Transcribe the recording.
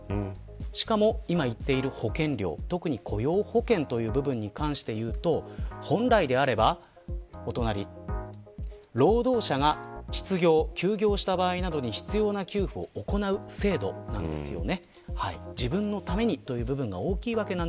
しかも、今言っている保険料特に雇用保険という部分に関して言うと本来であれば労働者が失業、休業した場合などに必要な給付を行う制度なんですよね。